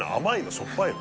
しょっぱいの？